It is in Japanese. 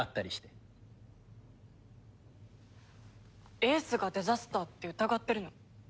英寿がデザスターって疑ってるの？